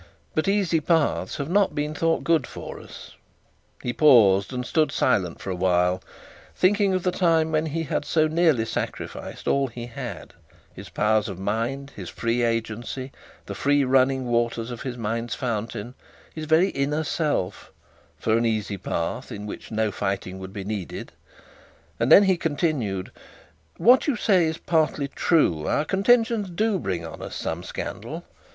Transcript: But easy paths have not been thought good for us.' He paused and stood silent for a while, thinking of the time when he had so nearly sacrificed all he had, his powers of mind, his free agency, the fresh running waters of his mind's fountain, his very inner self, for an easy path in which no fighting would be needed; and then he continued: 'What you say is partly true; our contentions do bring on us some scandal.